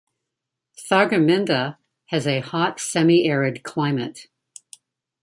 Thargomindah has a hot semi-arid climate.